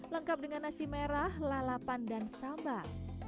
lengkap dengan nasi merah lalapan dan sambal